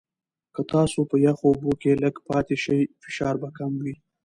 که تاسو په یخو اوبو کې لږ پاتې شئ، فشار به کم وي.